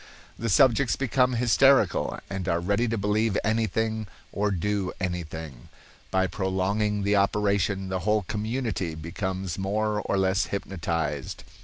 The subjects become hysterical, and are ready to believe anything or do anything. By prolonging the operation, a whole community becomes more or less hypnotized.